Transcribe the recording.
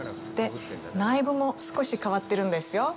内部も少し変わってるんですよ。